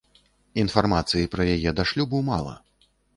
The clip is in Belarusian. Інфармацыі пра яе да шлюбу мала.